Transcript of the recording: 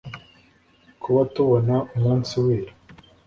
kuba tubona umunsi wira